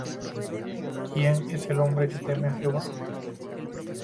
¿Quién es el hombre que teme á Jehová?